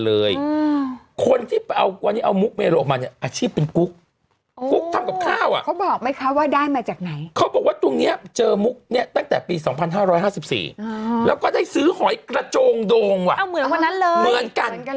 เอ้าเหมือนคนนั้นเลยเหมือนกันเหมือนกันเลย